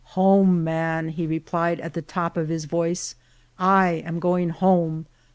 Home, man," he replied at the top of his voice ;I am going home !